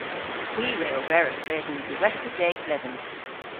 Hwi re oberas dres an diwettha deg bledhen.